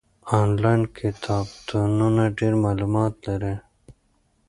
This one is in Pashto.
آنلاین کتابتونونه ډېر معلومات لري.